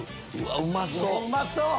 うまそう！